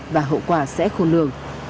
và hậu quả sẽ khôn lường